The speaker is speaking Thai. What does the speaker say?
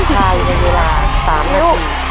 ได้เวลา๓นาที